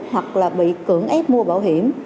hoặc là bị cưỡng ép mua bảo hiểm